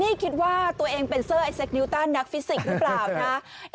นี่คิดว่าตัวเองเป็นเซอร์ไอเซคนิวต้านนักฟิสิกส์หรือเปล่านะ